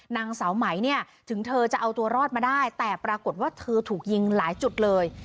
นางสาวไหมเนี่ยถึงเธอจะเอาตัวรอดมาได้แต่ปรากฏว่าเธอถูกยิงหลายจุดเลย